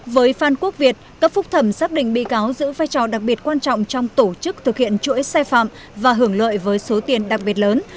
với phan quốc việt cấp phúc thẩm xác định bị cáo giữ vai trò đặc biệt quan trọng trong tổ chức thực hiện chuỗi sai phạm và hưởng lợi với số tiền đặc biệt lớn